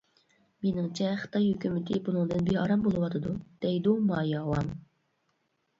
«مېنىڭچە خىتاي ھۆكۈمىتى بۇنىڭدىن بىئارام بولۇۋاتىدۇ» دەيدۇ مايا ۋاڭ.